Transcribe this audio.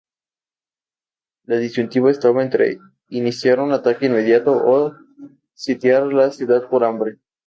La disyuntiva estaba entre iniciar un ataque inmediato o sitiar la ciudad por hambre.